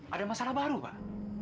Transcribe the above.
ada masalah baru pak